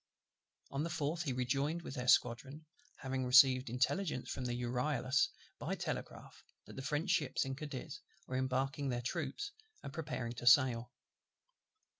On the 4th he rejoined with his squadron; having received intelligence from the Euryalus by telegraph, that the French ships in Cadiz were embarking their troops, and preparing to sail.